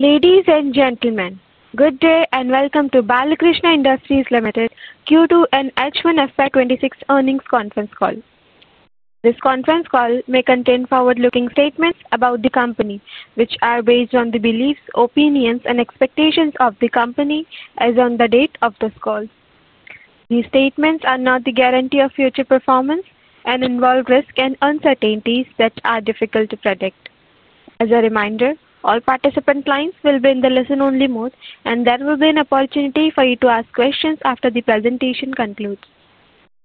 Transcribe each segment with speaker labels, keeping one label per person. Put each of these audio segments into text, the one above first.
Speaker 1: Ladies and gentlemen, good day and welcome to Balkrishna Industries Limited Q2 and H1FY26 earnings conference call. This conference call may contain forward-looking statements about the company which are based on the beliefs, opinions, and expectations of the company as on the date of this call. These statements are not the guarantee of future performance and involve risks and uncertainties that are difficult to predict. As a reminder, all participant lines will be in the listen-only mode and there will be an opportunity for you to ask questions after the presentation concludes.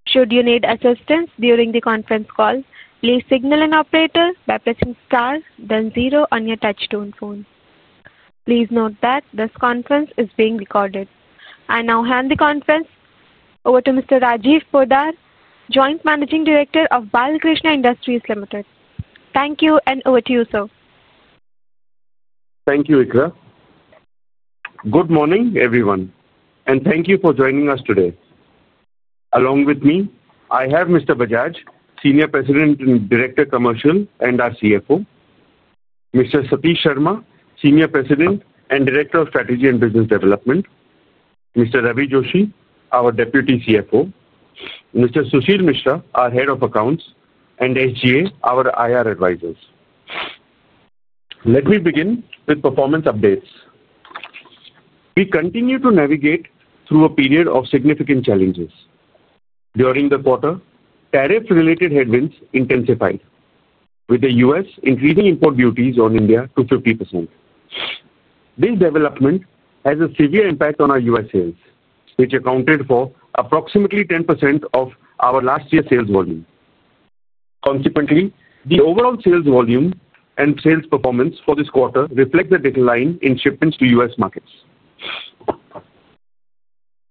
Speaker 1: Should you need assistance during the conference call, please signal an operator by pressing star then zero on your touchtone phone. Please note that this conference is being recorded. I now hand the conference over to Mr. Rajiv Poddar, Joint Managing Director of Balkrishna Industries Ltd. Thank you. Over to you, sir.
Speaker 2: Thank you, Ikra. Good morning, everyone, and thank you for joining us today. Along with me, I have Mr. Bajaj, Senior President and Director–Commercial, and our CFO, Mr. Satish Sharma, Senior President and Director of Strategy and Business Development, Mr. Ravi Joshi, our Deputy CFO, and Mr. Sushil Mishra, our Head of Accounts, and SGA, our IR advisors. Let me begin with performance updates. We continue to navigate through a period of significant challenges during the quarter. Tariff-related headwinds intensified with the U.S. increasing import duties on India to 50%. This development has a severe impact on our U.S. sales, which accounted for approximately 10% of our last year sales volume. Consequently, the overall sales volume and sales performance for this quarter reflect the decline in shipments to U.S. markets.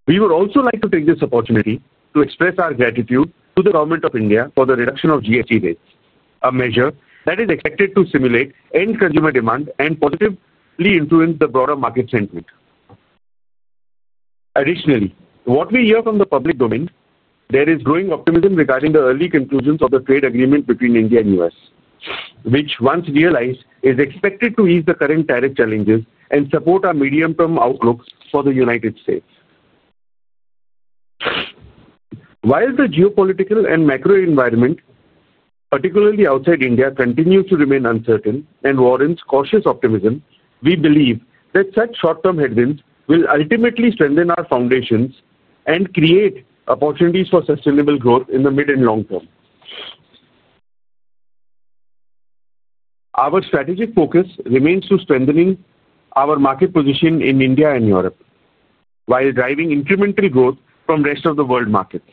Speaker 2: We would also like to take this opportunity to express our gratitude to the Government of India for the reduction of GST rates, a measure that is expected to stimulate end consumer demand and positively influence the broader market sentiment. Additionally, what we hear from the public domain, there is growing optimism regarding the early conclusions of the trade agreement between India and the U.S., which once realized is expected to ease the current tariff challenges and support our medium-term outlook for the United States. While the geopolitical and macro environment, particularly outside India, continues to remain uncertain and warrants cautious optimism, we believe that such short-term headwinds will ultimately strengthen our foundations and create opportunities for sustainable growth in the mid and long term. Our strategic focus remains to strengthening our market position in India and Europe while driving incremental growth from rest of the world markets.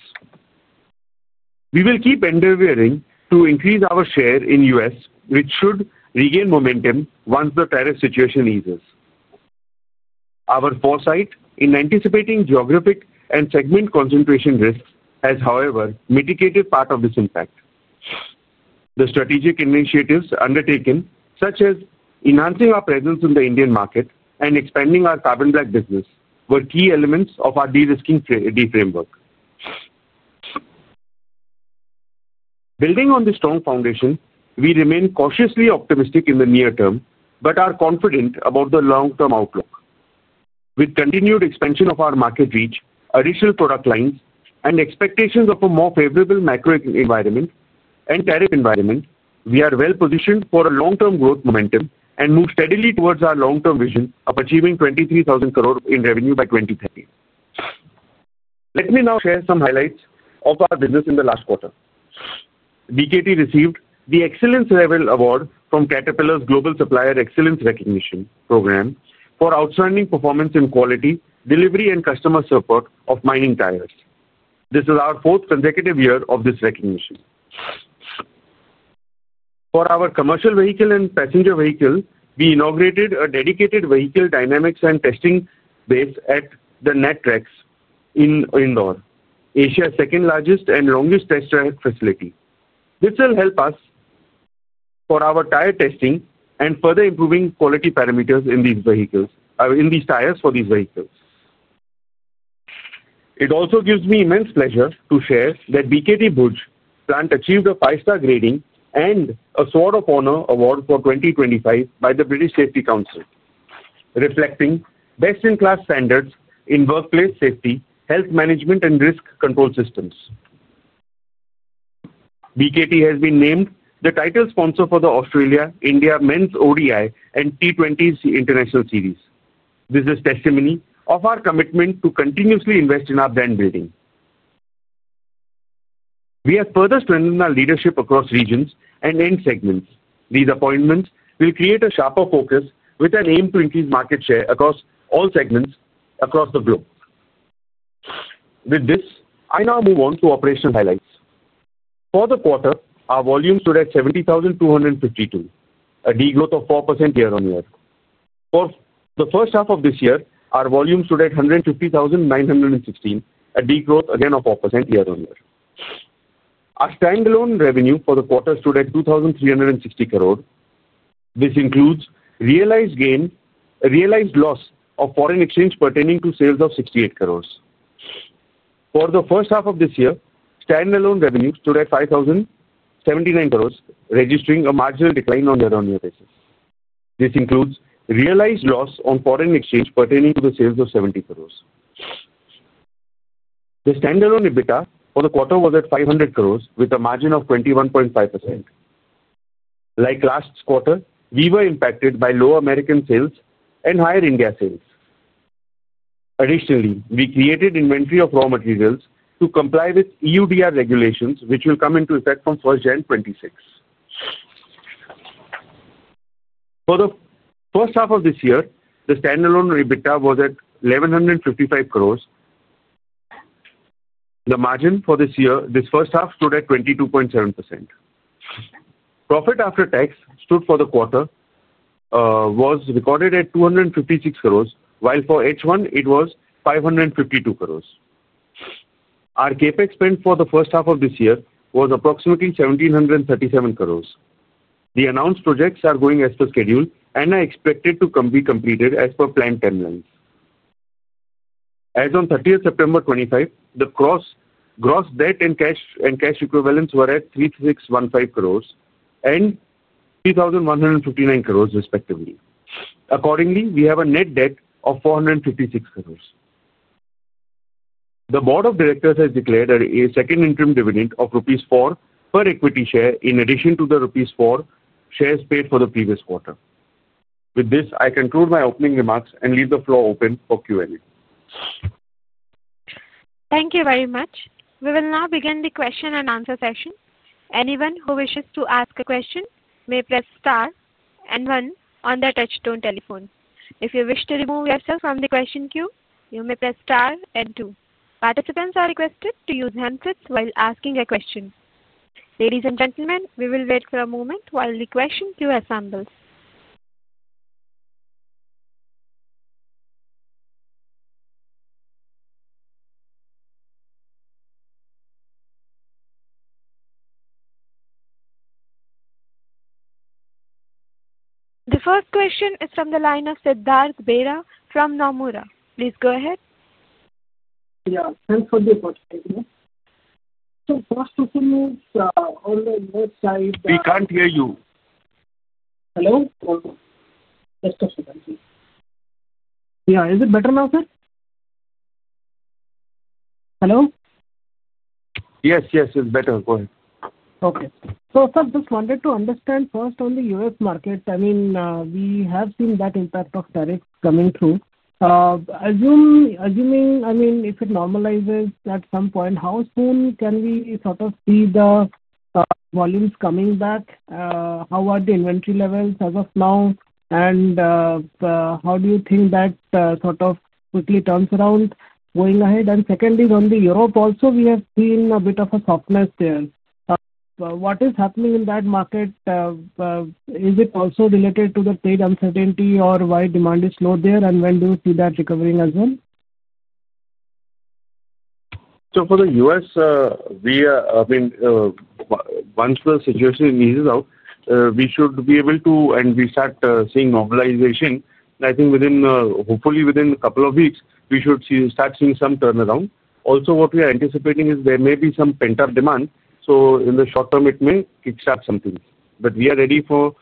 Speaker 2: We will keep endeavoring to increase our share in the U.S., which should regain momentum once the tariff situation eases. Our foresight in anticipating geographic and segment concentration risks has, however, mitigated part of this impact. The strategic initiatives undertaken, such as enhancing our presence in the Indian market and expanding our carbon black business, were key elements of our de-risking framework. Building on the strong foundation, we remain cautiously optimistic in the near term but are confident about the long-term outlook. With continued expansion of our market reach, additional product lines and expectations of a more favorable macro environment and tariff environment, we are well positioned for a long term growth momentum and move steadily towards our long term vision of achieving 23,000 crore in revenue by 2013. Let me now share some highlights of our business. In the last quarter BKT received the Excellence Level Award from Caterpillar’s Global Supplier Excellence Recognition Program for outstanding performance in quality delivery and customer support of mining tires. This is our fourth consecutive year of this recognition for our commercial vehicle and passenger vehicle. We inaugurated a dedicated vehicle dynamics and testing base at the Nettrex in Indore, Asia’s second largest and longest test track facility. This will help us for our tire testing and further improving quality parameters in these tires for these vehicles. It also gives me immense pleasure to share that BKT Bhuj plant achieved a five star grading and a Sword of Honor award for 2025 by the British Safety Council reflecting best in class standards in workplace safety, health management and risk control systems. BKT has been named the title sponsor for the Australia India Men’s ODI and T20 International series. This is testimony of our commitment to continuously invest in our brand building. We have further strengthened our leadership across regions and end segments. These appointments will create a sharper focus with an aim to increase market share across all segments across the globe. With this I now move on to operational highlights. For the quarter our volume stood at 70,252, a degrowth of 4% year on year. For the first half of this year our volume stood at 150,916, a degrowth again of 4% year on year. Our standalone revenue for the quarter stood at 2,360 crore. This includes realized loss of foreign exchange pertaining to sales of 68 crore. For the first half of this year standalone revenue stood at 5,079 crore, registering a marginal decline on year on year basis. This includes realized loss on foreign exchange pertaining to the sales of 70 crore. The standalone EBITDA for the quarter was at 500 crore with a margin of 21.5%. Like last quarter we were impacted by low American sales and higher India sales. Additionally, we created inventory of raw materials to comply with EUDR regulations which will come into effect from January 1, 2026. For the first half of this year the standalone EBITDA was at 1,155 crore. The margin for this year, this first half stood at 22.7%. Profit after tax stood for the quarter was recorded at 256 crore while for H1 it was 552 crore. Our capex spend for the first half of this year was approximately 1,737 crore. The announced projects are going as per schedule and are expected to be completed as per planned timelines. As on 30th September 2025, the gross debt and cash equivalents were at 3,615 crore and 3,159 crore respectively. Accordingly, we have a net debt of 456 crore. The Board of Directors has declared a second interim dividend of rupees 4 per equity share in addition to the rupees 4 per share paid for the previous quarter. With this I conclude my opening remarks and leave the floor open for Q&A.
Speaker 1: Thank you very much. We will now begin the question and answer session. Anyone who wishes to ask a question may press star and one on the touchstone telephone. If you wish to remove yourself from the question queue you may press star and two. Participants are requested to use handsets while asking a question. Ladies and gentlemen, we will wait for a moment while the question queue assembles. The first question is from the line of Siddharth Beira from Nomura. Please go ahead.
Speaker 3: Yeah, thanks for the opportunity. First of all, on the side.
Speaker 2: We can't hear you.
Speaker 3: Hello? Yeah, is it better now, sir? Hello?
Speaker 2: Yes, yes, it's better. Go ahead.
Speaker 3: Okay, so sir, just wanted to understand first on the U.S. market. I mean, we have seen that impact of tariff coming through. Assuming, I mean if it normalizes at some point, how soon can we sort of see the volumes coming back? How are the inventory levels as of now and how do you think that sort of quickly turns around going ahead? Second is on Europe also. We have seen a bit of a softness there. What is happening in that market? Is it also related to the trade uncertainty or why demand is slow there and when do you see that recovering as well?
Speaker 2: For the US, once the situation eases out, we should be able to, and we start seeing normalization, I think within, hopefully within a couple of weeks, we should start seeing some turnaround. Also, what we are anticipating is there may be some pent-up demand. In the short term, it may kick start something. We are ready for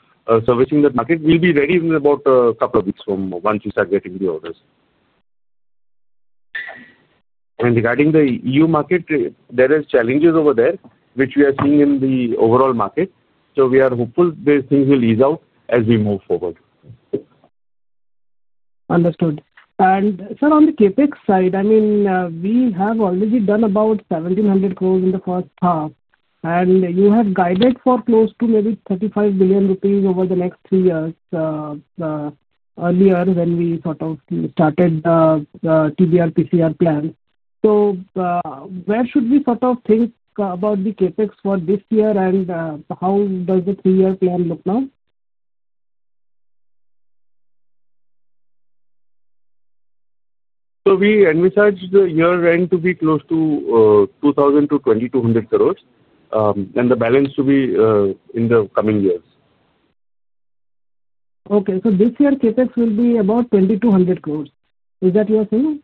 Speaker 2: servicing that market. We will be ready in about a couple of weeks from once you start getting the orders. Regarding the EU market, there are challenges over there which we are seeing in the overall market. We are hopeful these things will ease out as we move forward.
Speaker 3: Understood. Sir, on the capex side, I mean we have already done about 17 billion in the first half and you have guided for close to maybe 35 billion rupees over the next three years earlier when we sort of started the TBR PCR plan. Where should we sort of think about the capex for this year and how does the three-year plan look now?
Speaker 2: We envisage the year end to be close to 2,000 crore-2,200 crore and the balance to be in the coming years.
Speaker 3: Okay. So this year CapEx will be about 2,200 crore. Is that your thing?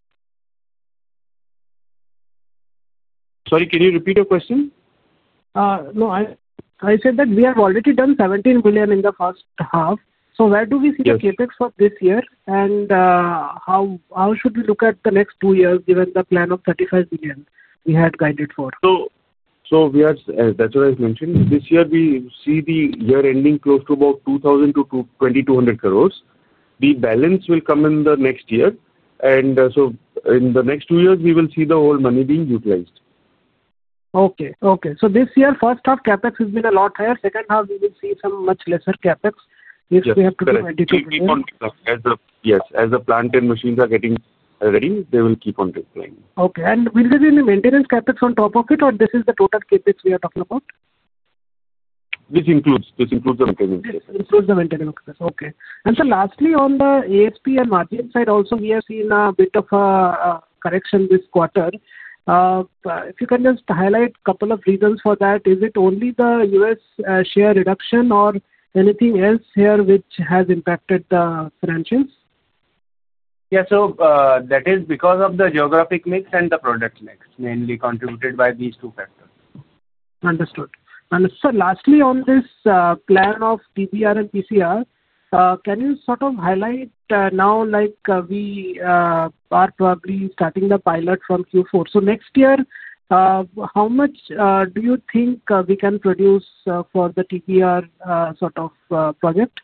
Speaker 2: Sorry, can you repeat your question?
Speaker 3: No, I said that we have already done 17 billion in the first half. Where do we see the capex for this year and how should we look at the next two years given the plan of 35 billion we had guided for.
Speaker 2: We are as, that's what I mentioned. This year we see the year ending close to about 2,000-2,200 crore. The balance will come in the next year, and in the next two years we will see the whole money being utilized.
Speaker 3: Okay. Okay. So this year first half capex has been a lot higher. Second half we will see some much lesser capex.
Speaker 2: Yes. As the plant and machines are getting ready, they will keep on replying.
Speaker 3: Okay. Will there be any maintenance capex on top of it, or is this the total capex we are talking about?
Speaker 2: This includes the maintenance.
Speaker 3: Includes the maintenance. Okay. Lastly, on the ASP and margin side also we have seen a bit of a correction this quarter. If you can just highlight a couple of reasons for that. Is it only the US share reduction or anything else here which has impacted the franchise?
Speaker 2: Yeah, so that is because of the geographic mix and the product mix mainly contributed by these two factors.
Speaker 3: Understood. Lastly, on this plan of TBR and PCR, can you sort of highlight now, like we are probably starting the pilot from Q4, so next year how much do you think we can produce for the TBR sort of project?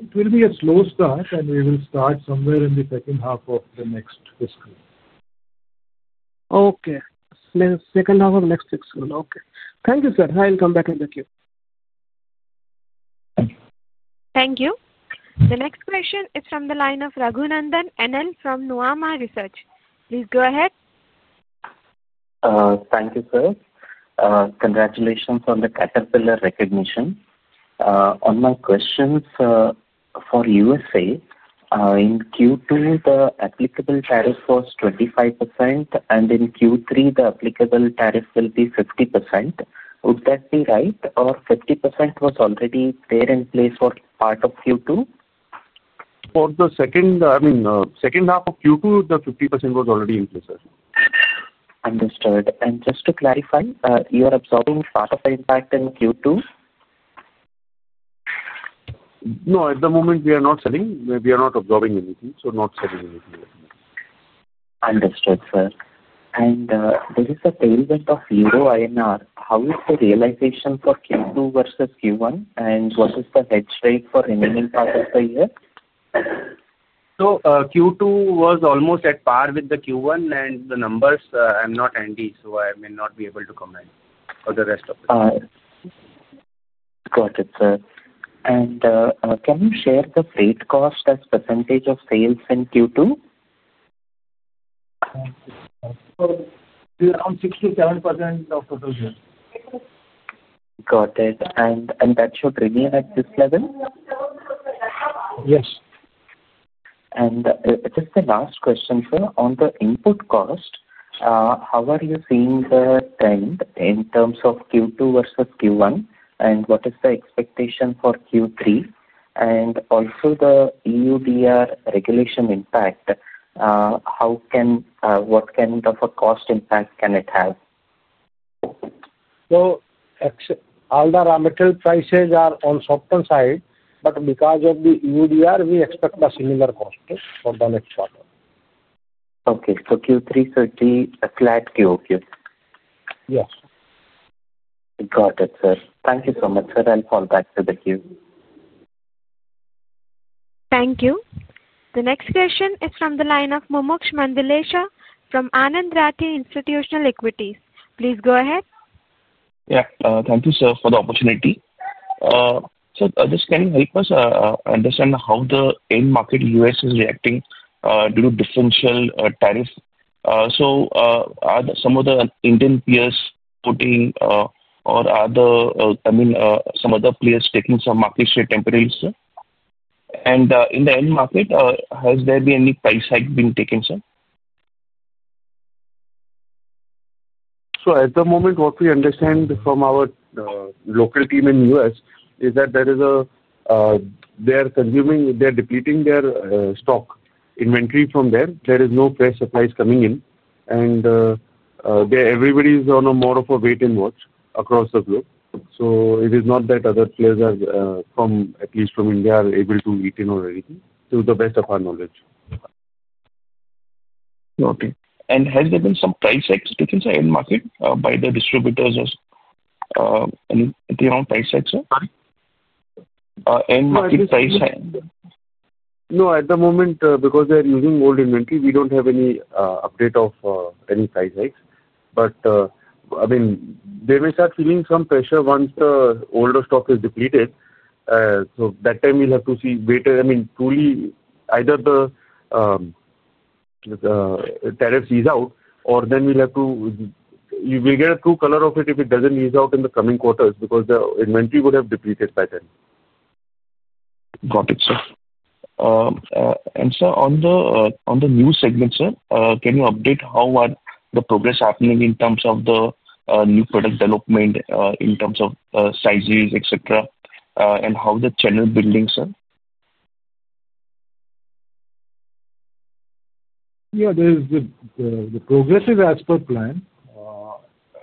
Speaker 2: It will be a slow start and we will start somewhere in the second half of the next.
Speaker 3: Okay, second half of next. Okay, thank you, sir. I'll come back in the queue.
Speaker 1: Thank you. The next question is from the line of Raghunandhan NL from Nuvama Research. Please go ahead.
Speaker 4: Thank you, sir. Congratulations on the Caterpillar recognition. On my questions for the US, in Q2 the applicable tariff was 25% and in Q3 the applicable tariff will be 50%. Would that be right, or was 50% already in place for part of Q2? For the second, I mean, second half of Q2, the 50% was already in place. Understood. And just to clarify, you are absorbing part of the impact in Q2? No, at the moment we are not selling. We are not absorbing anything. So, not selling anything. Understood, sir. There is a tailwind of Euro INR. How is the realization for Q2 versus Q1, and what is the hedge rate for the remaining part of the year?
Speaker 2: Q2 was almost at par with Q1 in the numbers. I'm not Andy, so I may not be able to comment for the rest of it.
Speaker 4: Got it, sir. Can you share the freight cost as a percentage of sales in Q2?
Speaker 2: Around 6%-7% of total sales.
Speaker 4: Got it. That should remain at this level?
Speaker 2: Yes.
Speaker 4: Just the last question, sir, on the input cost, how are you seeing the trend in terms of Q2 versus Q1, and what is the expectation for Q3, and also the EUDR regulation impact? What kind of a cost impact can it have?
Speaker 2: All the raw material prices are on the soften side, but because of the EUDR, we expect a similar cost for the next part.
Speaker 4: Okay, so Q3 certainly a flat Q. Okay.
Speaker 2: Yes.
Speaker 4: Got it, sir. Thank you so much, sir. I'll fall back to the queue.
Speaker 1: Thank you. The next question is from the line of Mumuksh Mandlesha from Anand Rathi Institutional Equities. Please go ahead.
Speaker 5: Yeah, thank you sir for the opportunity. This, can you help us understand how the end market U.S. is reacting due to differential tariffs? Are some of the Indian peers putting, or are the, I mean, some other players taking some market share temporarily, sir? In the end market, has there been any price hike being taken, sir?
Speaker 2: At the moment, what we understand from our local team in the U.S. is that they are consuming, they are depleting their stock inventory from there. There are no fresh supplies coming in and everybody is on more of a wait and watch across the globe. It is not that other players, at least from India, are able to eat in or anything to the best of our knowledge.
Speaker 5: Okay. Has there been some price hikes in the market by the distributors?
Speaker 2: No, at the moment, because they are using old inventory, we do not have any update of any price hikes. I mean, they may start feeling some pressure once the older stock is depleted. That time we will have to see, wait. I mean, truly, either the tariffs ease out or then we will have to, you will get a true color of it if it does not ease out in the coming quarters because the inventory would have depleted by then.
Speaker 5: Got it, sir. Sir, on the new segments, can you update how the progress is happening in terms of the new product development, in terms of sizes, etc., and how the channel building, sir.
Speaker 2: Yeah. There's the progressive as per plan.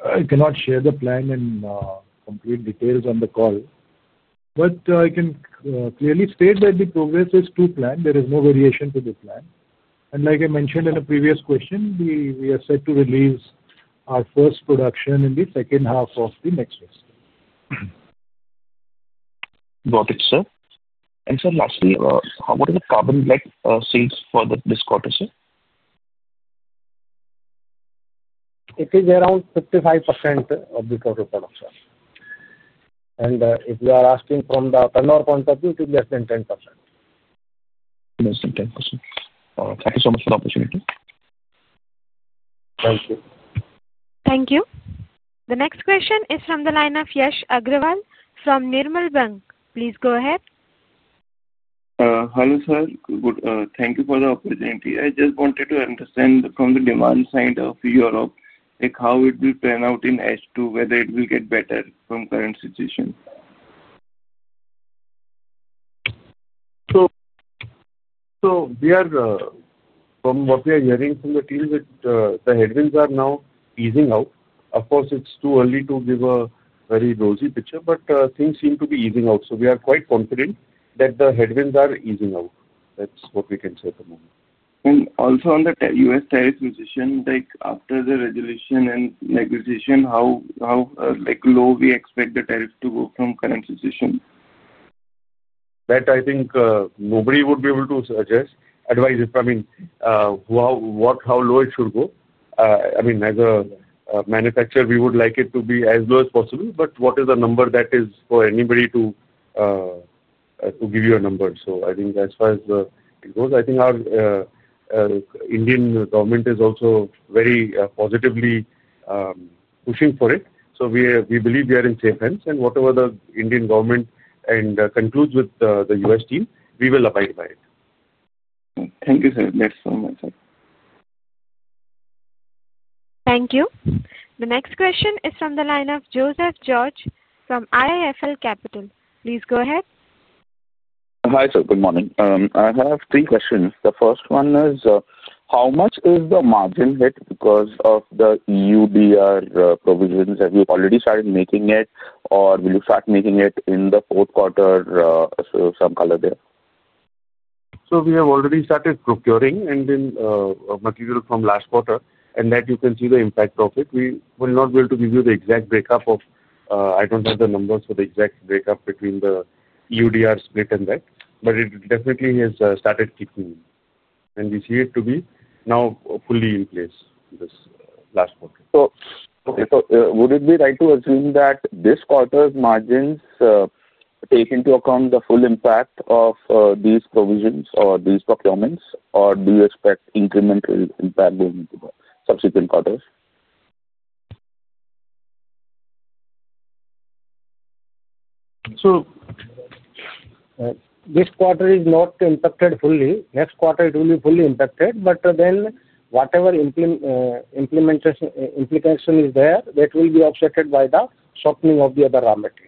Speaker 2: I cannot share the plan in complete details on the call, but I can clearly state that the progress is to plan. There is no variation to the plan. Like I mentioned in a previous question, we are set to release our first production in the second half of the next year.
Speaker 5: Got it, sir. Sir, lastly, how much of the carbon black sales for the discordancy.
Speaker 2: It is around 55% of the total production. If you are asking from the turnover point of view, it is less than 10%. Less than 10%.
Speaker 5: Thank you so much for the opportunity.
Speaker 2: Thank you.
Speaker 1: Thank you. The next question is from the line of Yash Agrawal from Nirmal Bang. Please go ahead.
Speaker 6: Hello sir. Thank you for the opportunity. I just wanted to understand from the demand side of Europe like how it will turn out in H2, whether it will get better from current situation.
Speaker 2: We are from what we are hearing from the team that the headwinds are now easing out. Of course it's too early to give a very rosy picture but things seem to be easing out. We are quite confident that the headwinds are easing out. That's what we can say at the moment.
Speaker 6: Also on the US tariff position after the resolution and negotiation how low we expect the tariff to go from current situation?
Speaker 2: That I think nobody would be able to just advise if I mean how low it should go. I mean as a manufacturer we would like it to be as low as possible. What is the number that is for anybody to give you a number? I think as far as it goes, I think our Indian government is also very positively pushing for it. We believe we are in safe hands. Whatever the Indian government concludes with the U.S. team, we will abide by it.
Speaker 6: Thank you sir. That's from my side.
Speaker 1: Thank you. The next question is from the line of Joseph George from IIFL Capital. Please go ahead.
Speaker 7: Hi sir. Good morning. I have three questions. The first one is how much is the margin hit because of the EUDR provisions? Have you already started making it or will you start making it in the fourth quarter? Some color there.
Speaker 2: We have already started procuring and then material from last quarter and you can see the impact of it. We will not be able to give you the exact breakup of. I do not have the numbers for the exact breakup between the EUDR split and that, but it definitely has started kicking and we see it to be now fully in place this last quarter.
Speaker 7: Would it be right to assume that this quarter's margins take into account the full impact of these provisions or these procurements or do you expect incremental impact going into the subsequent quarters?
Speaker 2: This quarter is not impacted fully. Next quarter it will be fully impacted. Whatever implication is there, that will be offset by the shortening of the other raw materials.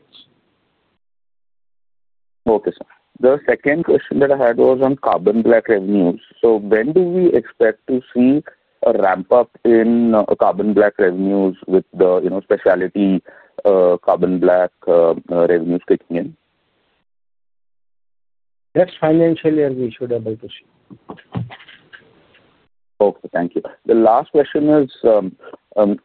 Speaker 7: Okay sir, the second question that I had was on carbon black revenues. When do we expect to see a ramp up in carbon black revenues with the specialty carbon black revenues kicking in?
Speaker 2: That is financially as we should be able to see.
Speaker 7: Okay, thank you. The last question is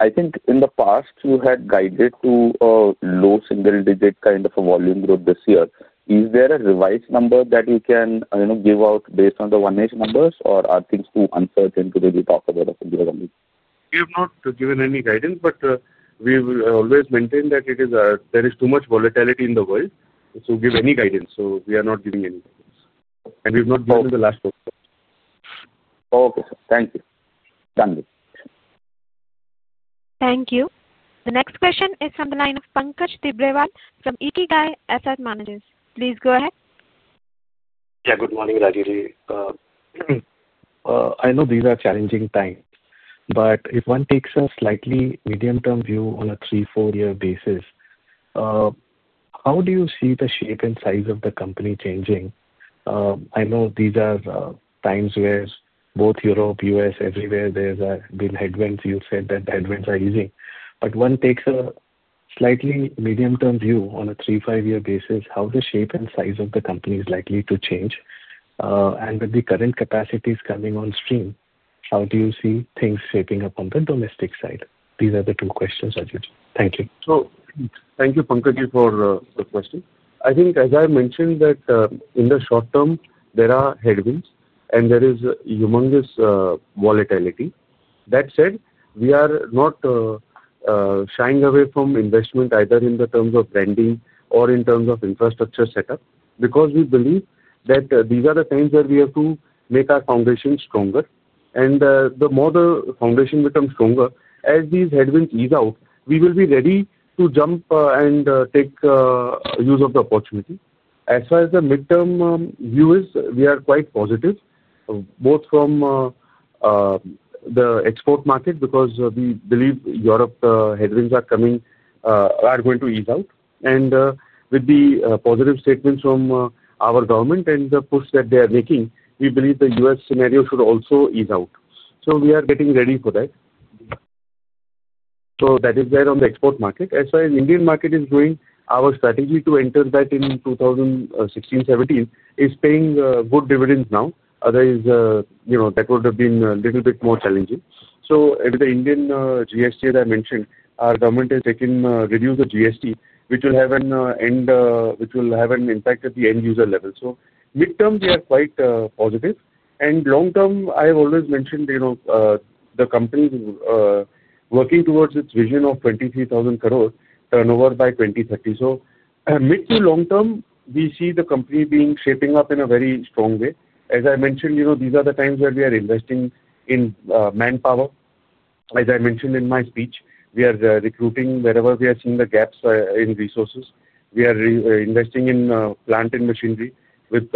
Speaker 7: I think in the past you had guided to a low single digit kind of a volume growth. This year is there a revised number that you can give out based on the one numbers or are things too uncertain to really talk about?
Speaker 2: We have not given any guidance but we will always maintain that there is too much volatility in the world to give any guidance. We are not giving anything and we have not given the last.
Speaker 7: Okay, thank you.
Speaker 1: Thank you. The next question is from the line of Pankaj Tibrewal from Ikigai Asset Managers. Please go ahead.
Speaker 8: Yeah, good morning Rajiv. I know these are challenging times but if one takes a slightly medium term view on a three, four year basis, how do you see the shape and size of the company changing? I know these are times where both Europe, U.S., everywhere there have been headwinds. You said that headwinds are easy. If one takes a slightly medium term view on a three-four year basis, how the shape and size of the company is likely to change and with the current capacities coming on stream, how do you see things shaping up on the domestic side? These are the two questions. Thank you.
Speaker 2: Thank you Pankaji for the question. I think as I mentioned that in the short term there are headwinds and there is humongous volatility. That said, we are not shying away from investment either in terms of branding or in terms of infrastructure setup because we believe that these are the times that we have to make our foundation stronger and the more the foundation becomes stronger as these headwinds ease out we will be ready to jump and take use of the opportunity. As far as the midterm view is, we are quite positive both from the export market because we believe Europe headwinds are going to ease out. With the positive statements from our government and the push that they are making, we believe the U.S. scenario should also ease out. We are getting ready for that. That is there on the export market. As far as Indian market is doing, our strategy to enter that in 2016, 2017 is paying good dividends now. Otherwise you know that would have been a little bit more challenging. With the Indian GST as I mentioned, our government has reduced the GST which will have an impact at the end user level. Mid term we are quite positive and long term I have always mentioned the company working towards its vision of 23,000 crore turnover by 2030. Mid to long term we see the company shaping up in a very strong way. As I mentioned, these are the times where we are investing in manpower. As I mentioned in my speech, we are recruiting wherever we are seeing the gaps in resources. We are investing in plant and machinery with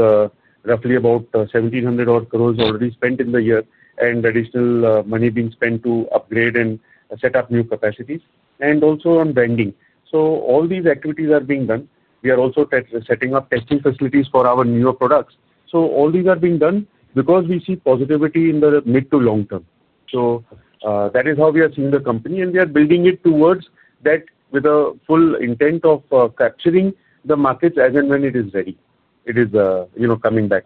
Speaker 2: roughly about INR 1,700 crore already spent in the year and additional money being spent to upgrade and set up new capacities and also on vending. All these activities are being done. We are also setting up testing facilities for our newer products. All these are being done because we see positivity in the mid to long term. That is how we are seeing the company and we are building it towards that with a full intent of capturing the markets as and when it is ready. It is, you know, coming back.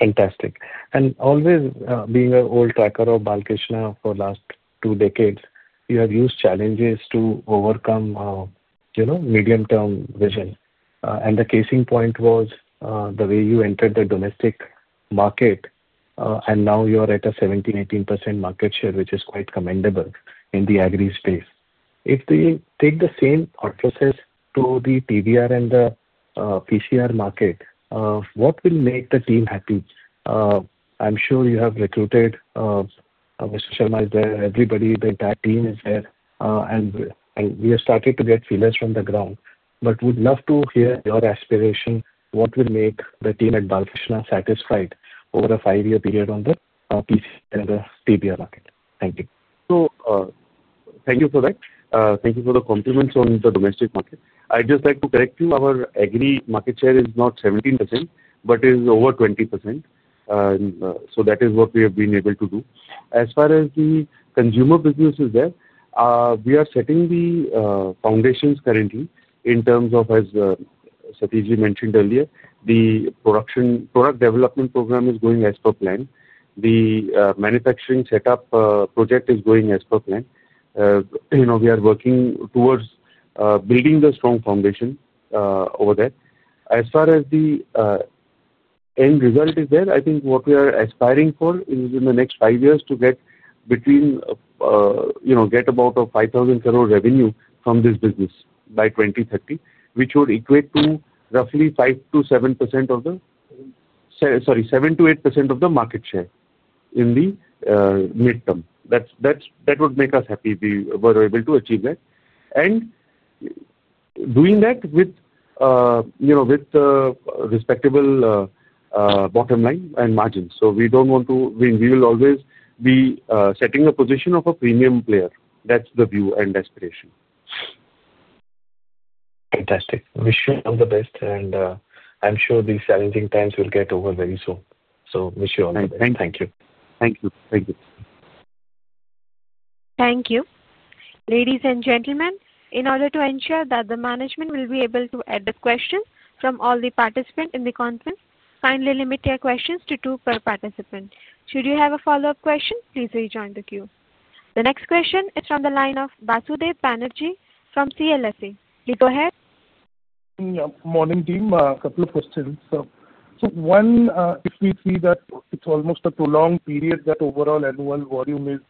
Speaker 8: Fantastic and always being an old tracker of Balkrishna, for the last two decades you have used challenges to overcome, you know, medium term vision. The case in point was the way you entered the domestic market and now you are at a 17%-18% market share which is quite commendable in the agri space. If they take the same purposes to the TBR and the PCR market, what will make the team happy? I'm sure you have recruited Mr. Sharma is there, everybody, the entire team is there and we have started to get feeders from the ground. Would love to hear your aspiration. What will make the team at Balkrishna satisfied over a five year period on the TBR market? Thank you.
Speaker 2: Thank you for the compliments on the domestic market. I'd just like to correct you, our agri market share is not 17% but is over 20%. That is what we have been able to do. As far as the consumer business is concerned, we are setting the foundations currently in terms of, as Satish mentioned earlier, the product development program is going as per plan. The manufacturing setup project is going as per plan. We are working towards building the strong foundation over there. As far as the end result is concerned, I think what we are aspiring for is in the next five years to get about 5,000 crore revenue from this business by 2030, which would equate to roughly 7-8% of the market share in the midterm. That would make us happy if we were able to achieve that and doing that with, you know, with respectable bottom line and margins. We will always be setting a position of a premium player. That's the view and aspiration.
Speaker 8: Fantastic. Wish you all the best and I'm sure these challenging times will get over very soon. Wish you all the best. Thank you.
Speaker 2: Thank you.
Speaker 1: Thank you, ladies and gentlemen. In order to ensure that the management will be able to add the question from all the participants in the conference, kindly limit your questions to two per participant. Should you have a follow-up question, please rejoin the queue. The next question is from the line of Basudeb Banerji from CLSA. Go ahead.
Speaker 9: Morning team. A couple of questions. One, if we see that it's almost a prolonged period that overall annual volume is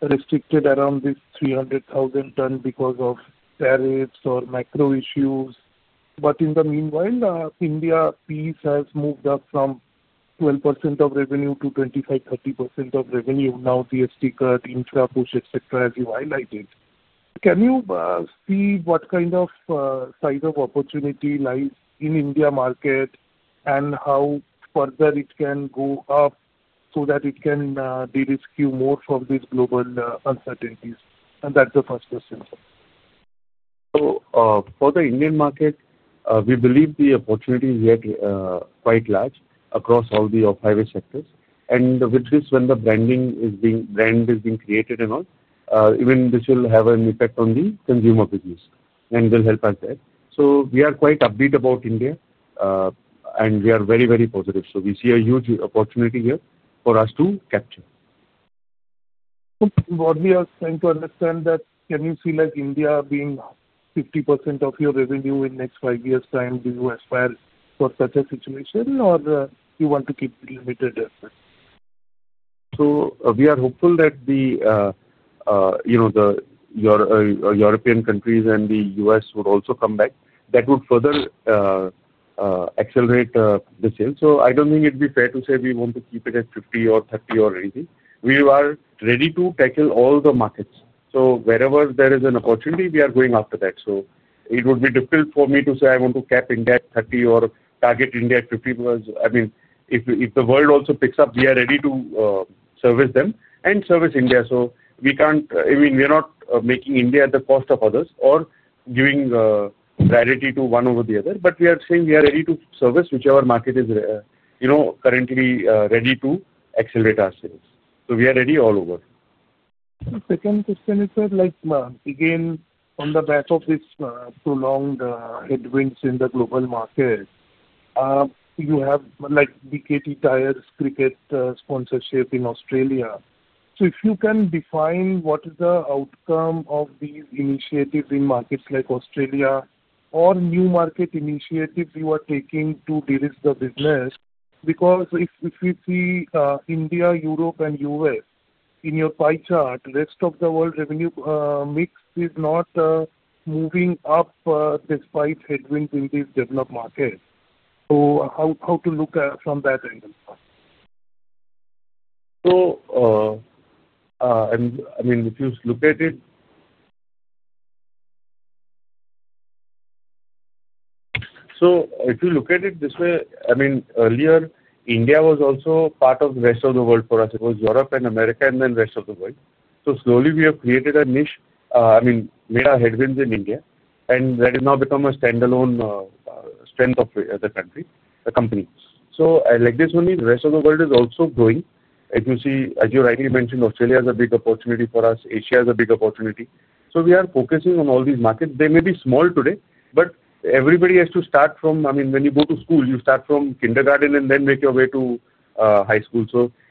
Speaker 9: restricted around this 300,000 tonnes because of tariffs or macro issues. In the meanwhile, India piece has moved up from 12% of revenue to 25-30% of revenue now. GST cut, intra push, etc. As you highlighted, can you see what kind of size of opportunity lies in India market and how further it can go up so that it can de-risk you more from these global uncertainties. That's the first question.
Speaker 2: For the Indian market, we believe the opportunity is yet quite large across all the off-highway sectors, and with this, when the brand is being created and all, even this will have an effect on the consumer business and will help us there. We are quite upbeat about India and we are very, very positive. We see a huge opportunity here for us to capture.
Speaker 9: What we are trying to understand that, can you see like India being 50% of your revenue in the next five years' time? Do you aspire for such a situation or you want to keep it limited as well?
Speaker 2: We are hopeful that, you know, the European countries and the U.S. would also come back. That would further accelerate the sales. I do not think it would be fair to say we want to keep it at 50% or 30% or anything. We are ready to tackle all the markets. Wherever there is an opportunity, we are going after that. It would be difficult for me to say I want to cap India at 30% or target India at 50%. I mean, if the world also picks up, we are ready to service them and service India. We are not making India at the cost of others or giving priority to one over the other. We are saying we are ready to service whichever market is, you know, currently ready to accelerate our sales. We are ready all over.
Speaker 9: Second question is, again on the back of this prolonged headwind in the global market, you have like BKT tires, cricket sponsorship in Australia. If you can define what is the outcome of these initiatives in markets like Australia or new market initiatives you are taking to deal with the business. Because if we see India, Europe, and U.S. in your pie chart, rest of the world revenue mix is not moving up despite headwinds in these developed markets. How to look at it from that angle?
Speaker 2: So I mean if you look at it, if you look at it this way, I mean earlier India was also part of the rest of the world. For us it was Europe and America and then rest of the world. Slowly we have created a niche, I mean made our headwinds in India and that has now become a standalone strength of the company. Like this only, the rest of the world is also growing. As you see, as you rightly mentioned, Australia is a big opportunity for us. Asia is a big opportunity. We are focusing on all these markets. They may be small today but everybody has to start from, I mean when you go to school, you start from kindergarten and then make your way to high school.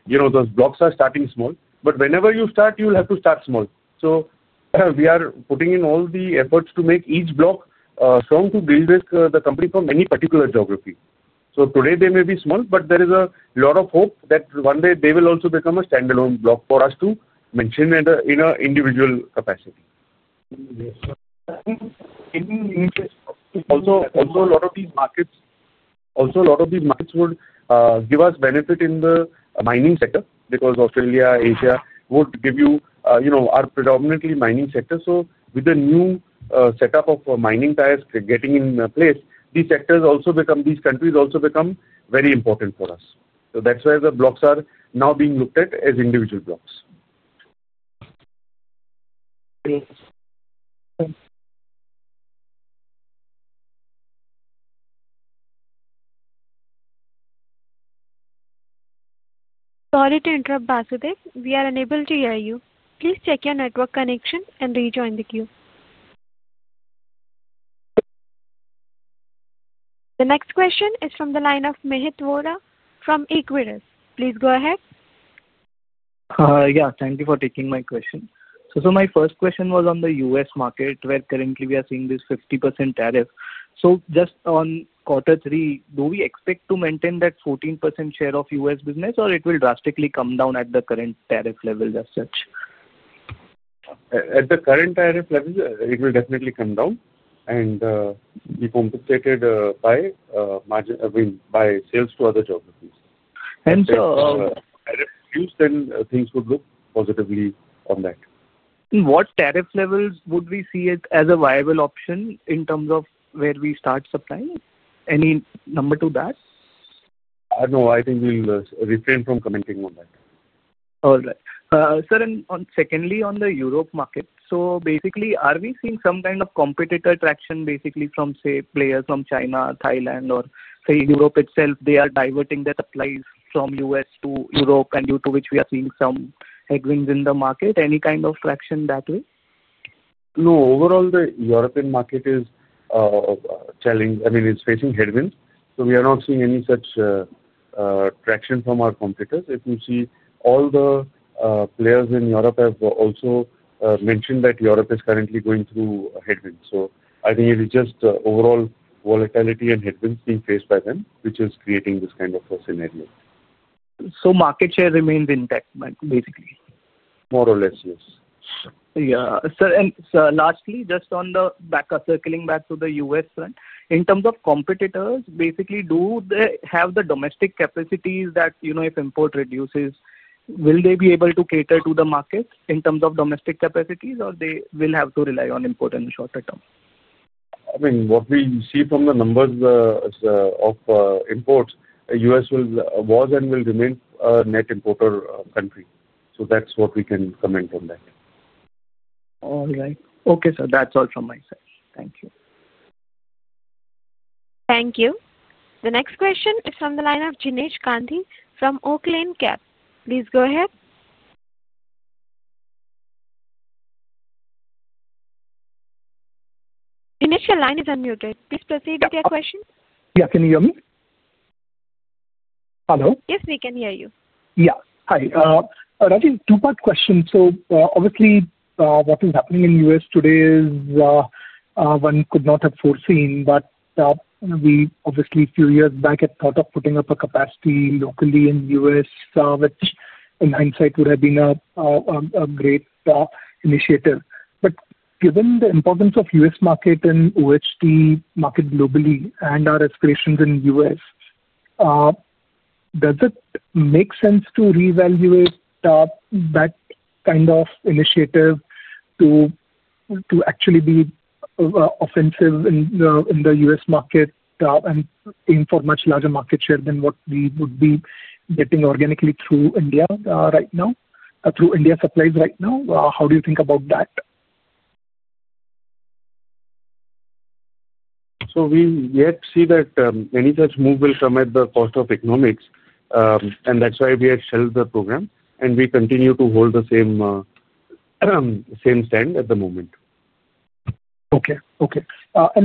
Speaker 2: You know those blocks are starting small, but whenever you start you will have to start small. We are putting in all the efforts to make each block strong to deal with the company from any particular geography. Today they may be small but there is a lot of hope that one day they will also become a standalone block for us to mention in an individual capacity. Also a lot of these markets would give us benefit in the mining sector because Australia, Asia would give, you are predominantly mining sector. With the new setup of mining tires getting in place, these sectors also become, these countries also become very important for us. That's why the blocks are now being looked at as individual blocks.
Speaker 1: Sorry to interrupt. Basudeb, we are unable to hear you. Please check your network connection and rejoin the queue. The next question is from the line of Mihir Vora from Equirus. Please go ahead.
Speaker 10: Yeah, thank you for taking my question. My first question was on the US market, where currently we are seeing this 50% tariff. Just on quarter three, do we expect to maintain that 14% share of US business or will it drastically come down at the current tariff level as such?
Speaker 2: At the current tariff level, it will definitely come down and be compensated by margin by sales to other geographies. Things would look positively on that.
Speaker 10: What tariff levels would we see it as a viable option in terms of where we start supplying, any number to that?
Speaker 2: No, I think we'll refrain from commenting on that.
Speaker 10: All right, sir. Secondly, on the Europe market, are we seeing some kind of competitor traction, basically from, say, players from China, Thailand, or Europe itself? They are diverting their supplies from US to Europe and due to which we are seeing some headwinds in the market. Any kind of fraction that way?
Speaker 2: No. Overall, the European market is challenged. I mean, it's facing headwinds. We are not seeing any such traction from our competitors. If you see, all the players in Europe have also mentioned that Europe is currently going through headwinds. I think it is just overall volatility and headwinds being faced by them, which is creating this kind of a scenario.
Speaker 10: Market share remains intact?
Speaker 2: More or less, yes.
Speaker 10: Yeah. Lastly, just on the back, circling back to the U.S. front in terms of competitors, basically, do they have the domestic capacities that, you know, if import reduces, will they be able to cater to the market in terms of domestic capacities or they will have to rely on import in the shorter term?
Speaker 2: I mean, what we see from the numbers of imports, U.S. was and will remain net importer country. So that's what we can comment on that. All right. Okay. That's all from my side. Thank you.
Speaker 1: Thank you. The next question is from the line of Jinesh Gandhi from Oakland Cap. Please go ahead. Initial line is unmuted. Please proceed with your question.
Speaker 11: Yeah, can you hear me? Hello?
Speaker 1: Yes, we can hear you.
Speaker 11: Yeah, hi, Rajiv. Two part question. Obviously what is happening in the U.S. today is one could not have foreseen, but we obviously, a few years back, had thought of putting up a capacity locally in the U.S., which in hindsight would have been a great initiative. Given the importance of the U.S. market and HD market globally and our aspirations in the U.S., does it make sense to reevaluate that kind of initiative to actually be offensive in the U.S. market and aim for a much larger market share than what we would be getting organically through India right now, through India supplies right now? How do you think about that?
Speaker 2: We yet see that any such move will come at the cost of economics, and that is why we have shelved the program and we continue to hold the same stand at the moment.
Speaker 11: Okay.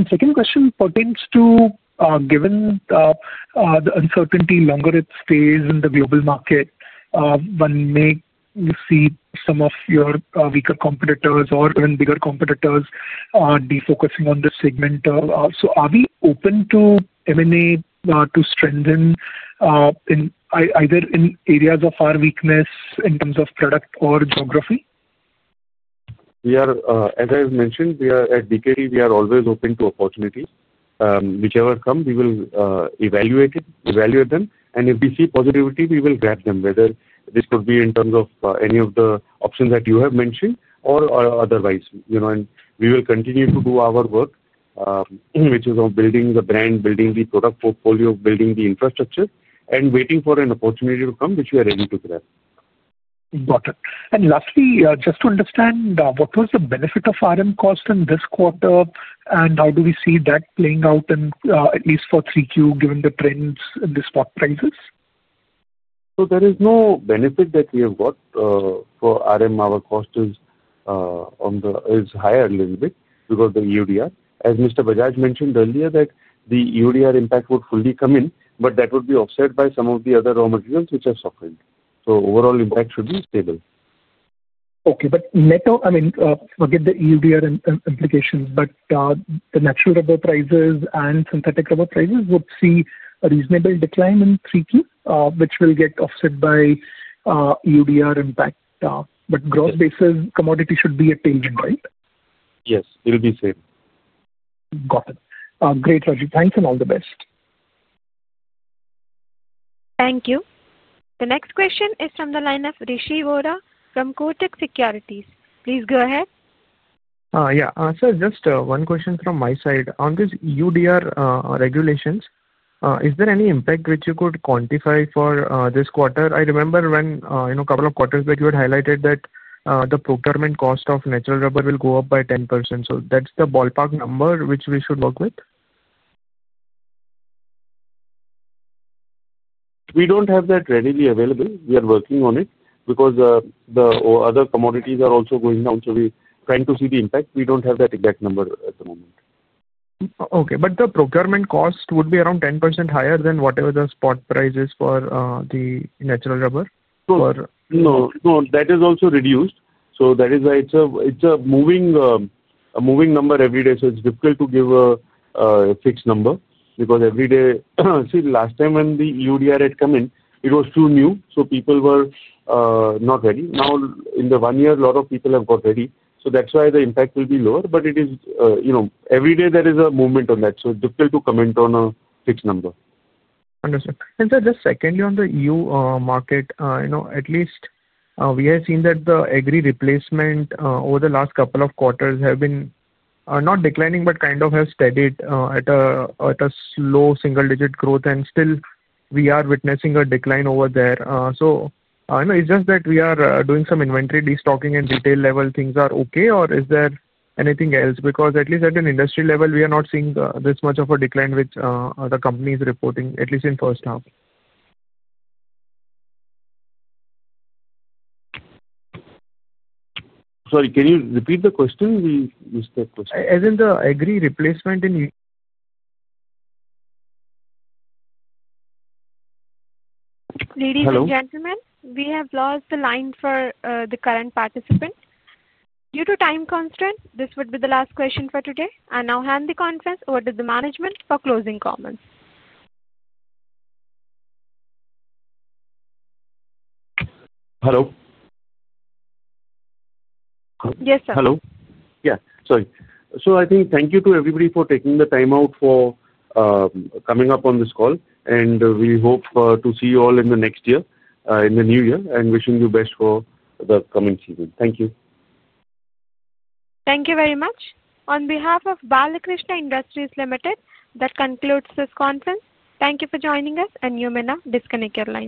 Speaker 11: Second question pertains to, given the uncertainty, the longer it stays in the global market, one may see some of your weaker competitors or even bigger competitors defocusing on this segment. Are we open to M and A to strengthen either in areas of our weakness in terms of product or geography?
Speaker 2: We are, as I mentioned at BKT, we are always open to opportunities. Whichever comes, we will evaluate them, and if we see positivity, we will grab them. Whether this could be in terms of any of the options that you have mentioned or otherwise. We will continue to do our work, which is on building the brand, building the product portfolio, building the infrastructure, and waiting for an opportunity to come which we are able to grab.
Speaker 11: Got it. Lastly, just to understand, what was the benefit of RM cost in this quarter and how do we see that playing out at least for 3Q given the trends in the spot prices?
Speaker 2: There is no benefit that we have got for RM. Our cost is higher a little bit because of the EUDR. As Mr. Bajaj mentioned earlier, the EUDR impact would fully come in, but that would be offset by some of the other raw materials which are softened. Overall impact should be stable.
Speaker 11: Okay, but net, I mean, forget the EUDR implications, but the natural rubber prices and synthetic rubber prices would see a reasonable decline in 3Q, which will get offset by EUDR impact. But gross basis, commodity should be a tangent, right?
Speaker 2: Yes, it will be same.
Speaker 11: Got it. Great, Rajiv. Thanks and all the best.
Speaker 1: Thank you. The next question is from the line of Rishi Vora from Kotak Securities. Please go ahead.
Speaker 12: Yeah. So just one question from my side on this EUDR regulations. Is there any impact which you could quantify for this quarter? I remember when, you know, a couple of quarters that you had highlighted that the procurement cost of natural rubber will go up by 10%. So that's the ballpark number which we should work with.
Speaker 2: We don't have that readily available. We are working on it because the other commodities are also going down. So we are trying to see the impact. We don't have that exact number.
Speaker 12: Okay, but the procurement cost would be around 10% higher than whatever the spot prices for the natural rubber.
Speaker 2: No, that is also reduced. That is why it's a, it's a moving, a moving number every day. It's difficult to give a fixed number because every day. See, the last time when the EUDR had come in it was too new so people were not ready. Now in the one year a lot of people have got ready. That's why the impact will be lower. It is, you know, every day there is a movement on that so difficult to comment on a fixed number.
Speaker 12: Understood. Sir, just secondly on the EU market, you know, at least we have seen that the agri replacement over the last couple of quarters have been not declining but kind of have steadied at a slow single digit growth and still we are witnessing a decline over there. It's just that we are doing some inventory destocking and detail level things are okay or is there anything else? Because at least at an industry level we are not seeing this much of a decline which the company is reporting at least in first half.
Speaker 2: Sorry, can you repeat the question? We missed that question.
Speaker 12: As in the agri replacement in.
Speaker 1: Ladies and gentlemen, we have lost the line for the current participants due to time constraint. This would be the last question for today and now hand the conference over to the management for closing comments.
Speaker 2: Hello.
Speaker 1: Yes sir.
Speaker 2: Hello. Yeah, so I think thank you to everybody for taking the time out for coming up on this call and we hope to see you all in the next year, in the new year and wishing you best for the coming season. Thank you.
Speaker 1: Thank you very much on behalf of Balkrishna Industries Ltd. That concludes this conference. Thank you for joining us. You may now disconnect your lines.